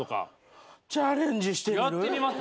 チャレンジしてみる？